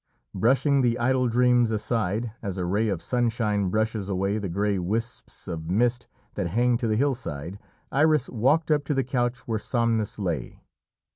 Brushing the idle dreams aside, as a ray of sunshine brushes away the grey wisps of mist that hang to the hillside, Iris walked up to the couch where Somnus lay.